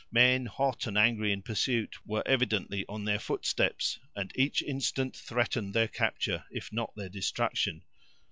Men, hot and angry in pursuit, were evidently on their footsteps, and each instant threatened their capture, if not their destruction.